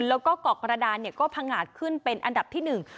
แล้วก็เกาะกระดานเนี่ยก็พังงาดขึ้นเป็นอันดับที่หนึ่ง